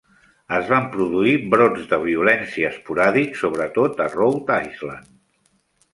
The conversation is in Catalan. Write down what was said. Es van produir brots de violència esporàdics, sobretot a Rhode Island.